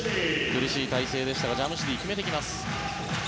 苦しい体勢でしたがジャムシディ決めてきます。